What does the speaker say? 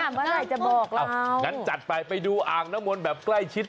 เมื่อไหร่จะบอกเรางั้นจัดไปไปดูอ่างน้ำมนต์แบบใกล้ชิด